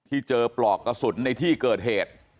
ทำให้สัมภาษณ์อะไรต่างนานไปออกรายการเยอะแยะไปหมด